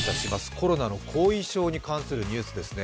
コロナの後遺症に関するニュースですね。